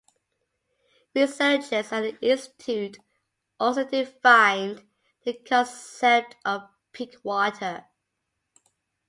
Researchers at the Institute also defined the concept of peak water.